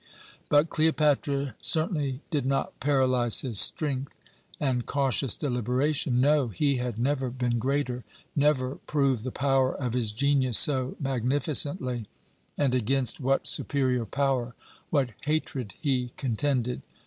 But Cleopatra certainly did not paralyze his strength and cautious deliberation. No! He had never been greater; never proved the power of his genius so magnificently. And against what superior power, what hatred he contended!